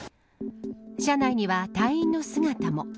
車内には隊員の姿も。